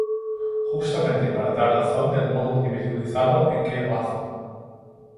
Justamente para dar razón del modo individualizado en que lo hacen.